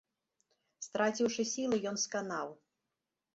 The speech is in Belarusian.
Страціўшы сілы, ён сканаў.